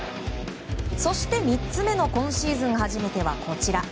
そして３つ目の今シーズン初めてはこちら。